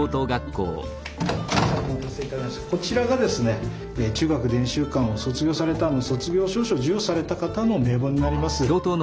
こちらがですね中学伝習館を卒業された卒業証書を授与された方の名簿になります。